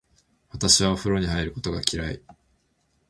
私はお風呂に入ることが嫌い。